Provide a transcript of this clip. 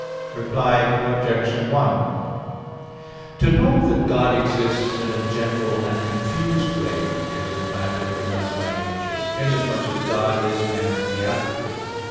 Reply Obj. 1: To know that God exists in a general and confused way is implanted in us by nature, inasmuch as God is man's beatitude.